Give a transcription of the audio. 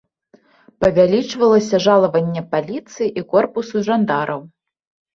Павялічвалася жалаванне паліцыі і корпусу жандараў.